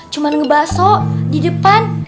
cuman ngebahas so di depan